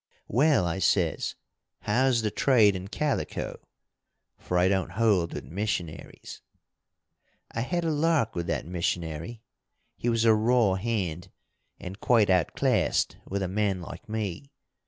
'Well,' I says, 'how's the trade in calico?' for I don't hold with missionaries. "I had a lark with that missionary. He was a raw hand, and quite outclassed with a man like me.